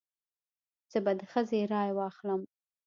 زه به د ښځې رای واخلم.